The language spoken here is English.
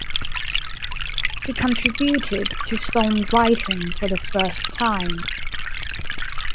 He contributed to songwriting for the first time.